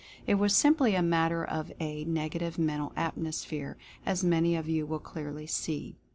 It was simply a matter of a Negative Mental Atmosphere, as many of you will clearly see.